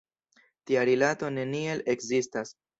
Tia rilato neniel ekzistas!